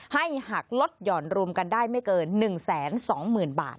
ให้หักลดหย่อนรวมกันได้ไม่เกิน๑๒๐๐๐บาท